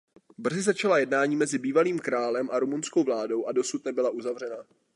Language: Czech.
Brzy začala jednání mezi bývalým králem a rumunskou vládou a dosud nebyla uzavřena.